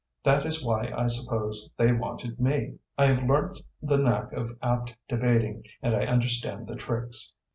That is why I suppose they wanted me. I have learnt the knack of apt debating and I understand the tricks.